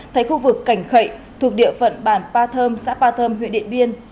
tại khu vực cảnh khậy thuộc địa phận bản pa thơm xã pa thơm huyện điện biên